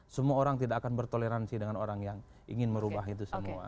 semua orang tidak akan bertoleransi dengan orang yang ingin merubah itu semua